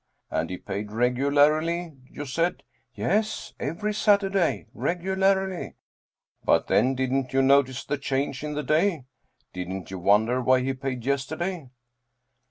And he paid regularly, you said ?" "Yes, every Saturday regularly." " But then, didn't you notice the change in the day ? Didn't you wonder why he paid yesterday